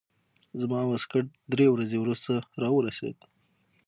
زما واسکټ درې ورځې وروسته راورسېد.